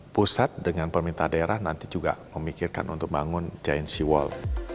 pusat dengan pemerintah daerah nanti juga memikirkan untuk bangun giant sea wall